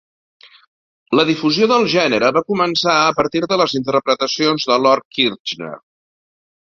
La difusió del gènere va començar a partir de les interpretacions de Lord Kitchener.